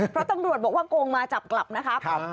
เพราะตำรวจบอกว่าโกงมาจับกลับนะครับ